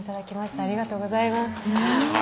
ありがとうございます。